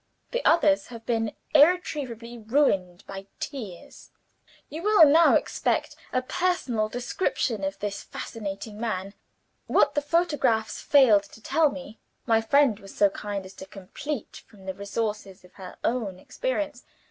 The others have been irretrievably ruined by tears.' "You will now expect a personal description of this fascinating man. What the photographs failed to tell me, my friend was so kind as to complete from the resources of her own experience.